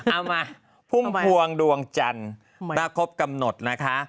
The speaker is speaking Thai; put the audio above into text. เอามาพุ่มพวงดวงจันทร์ถ้าครบกำหนดนะคะ